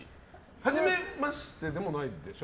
はじめましてでもないんでしょ。